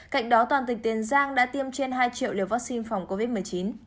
cạnh đó toàn tỉnh tiền giang đã tiêm trên hai triệu liều vaccine phòng covid một mươi chín